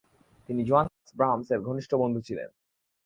তিনি জোহানস ব্রাহামসের ঘনিষ্ঠ বন্ধু ছিলেন।